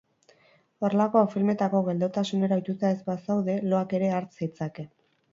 Horrelako filmetako geldotasunera ohituta ez bazaude, loak ere har zaitzake.